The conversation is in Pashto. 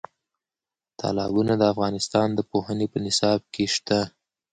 تالابونه د افغانستان د پوهنې په نصاب کې شته.